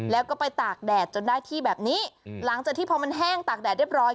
แล้วก็ไปตากแดดจนได้ที่แบบนี้หลังจากที่พอมันแห้งตากแดดเรียบร้อย